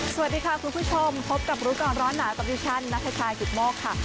สวัสดีค่ะคุณผู้ชมพบกับรู้ก่อนร้อนหนาวกับดิฉันนัทชายกิตโมกค่ะ